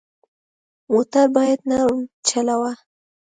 موټر باید نرم چلوه.